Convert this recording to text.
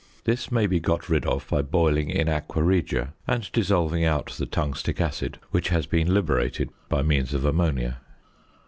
This may be got rid of by boiling in aqua regia, and dissolving out the tungstic acid which has been liberated by means of ammonia.